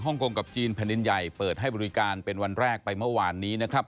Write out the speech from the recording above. กงกับจีนแผ่นดินใหญ่เปิดให้บริการเป็นวันแรกไปเมื่อวานนี้นะครับ